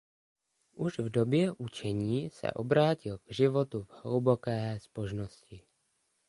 Už v době učení se obrátil k životu v hluboké zbožnosti.